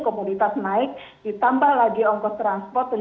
komoditas naik ditambah lagi ongkos transport